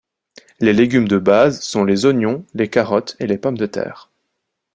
Les légumes de base sont les oignons, les carottes et les pommes de terre.